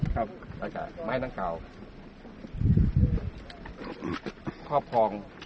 ท่านมาถึงกับพี่ก่อน